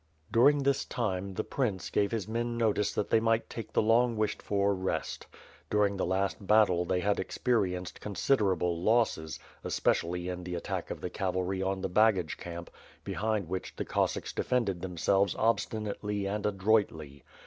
During this time, the prince gave his men notice that they might take the long wished for rest. During the last battle, they had experienced considerable losses, especially in the attack of the cavalry on the baggage camp, behind which the Cossacks defended themselves obstinately and adroitly.